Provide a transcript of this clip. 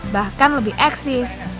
bahkan lebih eksis